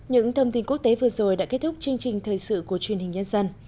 những thông tin quốc tế vừa rồi đã kết thúc chương trình thời sự của truyền hình nhân dân